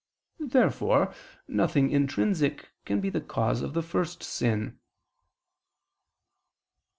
Therefore nothing intrinsic can be the cause of the first sin.